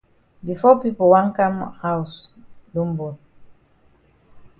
Before pipo wan kam haus don bon.